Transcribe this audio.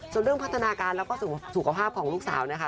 ส่วนเรื่องพัฒนาการแล้วก็สุขภาพของลูกสาวนะคะ